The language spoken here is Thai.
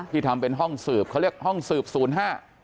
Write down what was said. ทำเป็นห้องสืบเขาเรียกห้องสืบศูนย์ห้า